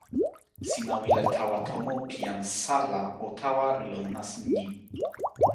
sina wile tawa tomo pi jan Sa la o tawa lon nasin ni.